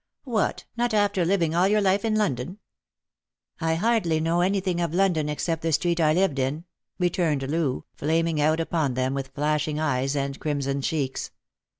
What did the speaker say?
" What, not after living all your life in London ?"" I hardly know anything of London except the street I lived in," returned Loo, flaming out upon them with flashing eyes and crimson cheeks.